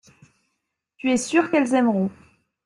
Tu es sûr qu’elles aimeront.